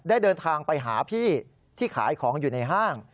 ได้เดินทางไปหาพี่ที่ขายของอยู่ในห้าง